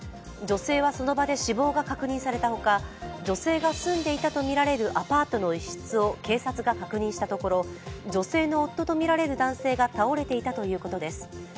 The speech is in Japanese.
女性はその場で死亡が確認されたほか女性が住んでいたとみられるアパートの１室を警察が確認したところ、女性の夫とみられる男性が倒れていたということです。